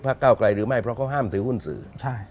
เก้าไกลหรือไม่เพราะเขาห้ามถือหุ้นสื่อ